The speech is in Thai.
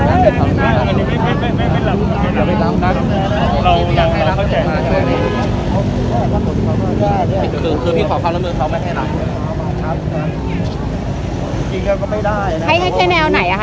พระองค์สรุปแล้วการหดงของทำสู้นาของนักทุกของเย้อ